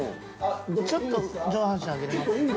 ちょっと上半身上げれます？